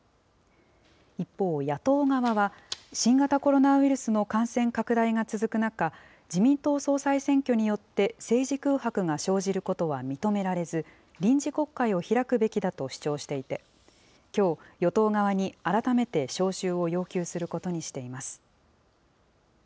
一方、野党側は新型コロナウイルスの感染拡大が続く中、自民党総裁選挙によって、政治空白が生じることは認められず、臨時国会を開くべきだと主張していて、きょう、与党側に改めて召集を要求することにしています。